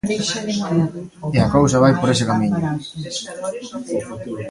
E a cousa vai por ese camiño.